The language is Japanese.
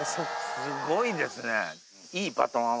すごいですね。